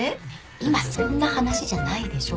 今そんな話じゃないでしょ。